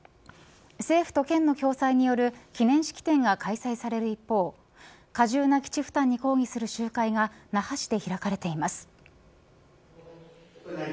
政府と県の共催による記念式典が開催される一方過重な基地負担に抗議する集会が那覇市で開かれています。